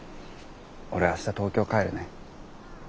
俺明日東京帰るね。